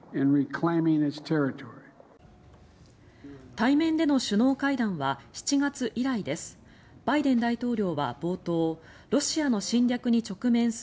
対面での首脳会談は７月以来です。